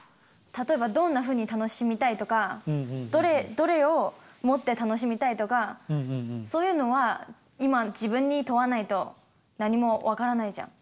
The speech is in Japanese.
例えばどんなふうに楽しみたいとかどれをもって楽しみたいとかそういうのは今自分に問わないと何も分からないじゃん。ＯＫ。